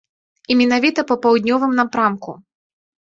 І менавіта па паўднёвым напрамку.